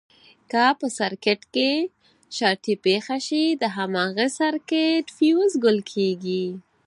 که په سرکټ کې شارټي پېښه شي د هماغه سرکټ فیوز ګل کېږي.